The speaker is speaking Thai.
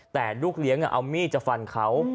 แต่ลูกเลี้ยงเอามีดจะฟันเขา